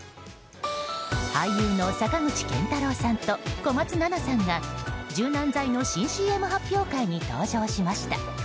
俳優の坂口健太郎さんと小松菜奈さんが柔軟剤の新ＣＭ発表会に登場しました。